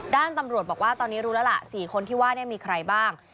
ด้านตำรวจบอกว่าตอนนี้รู้แล้วล่ะ๔คนที่ว่ามีใครบ้าง